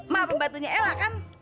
mak pembantunya ella kan